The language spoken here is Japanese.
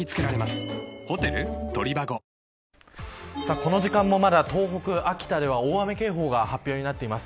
この時間もまだ東北、秋田では大雨警報が発表になっています。